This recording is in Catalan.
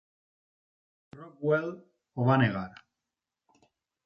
Rockwell ho va negar.